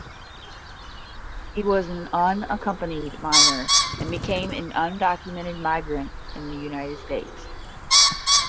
He was an unaccompanied minor and became an undocumented migrant in the United States.